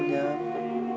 rizki yang halal